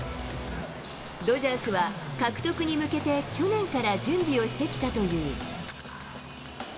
ドジャースは、獲得に向けて去年から準備をしてきたという。